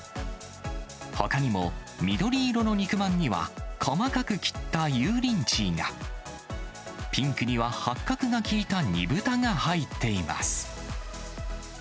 ほかにも緑色の肉まんには、細かく切ったユーリンチーが、ピンクには八角が利いた煮豚が入っています。